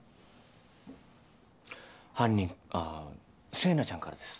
犯人あぁ星名ちゃんからです。